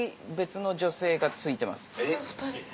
えっ２人？